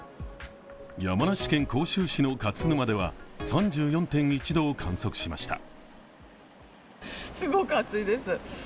山梨県甲州市の勝沼では３４．１度を観測しました。